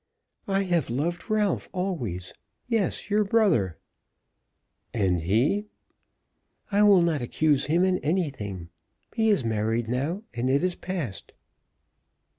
"I have loved Ralph always; yes, your brother." "And he?" "I will not accuse him in anything. He is married now, and it is past."